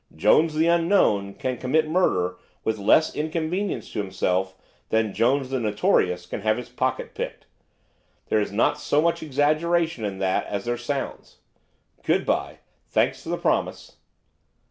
Jones the Unknown can commit murder with less inconvenience to himself than Jones the Notorious can have his pocket picked, there is not so much exaggeration in that as there sounds. Good bye, thanks for your promise.